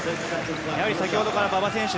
先ほどから馬場選手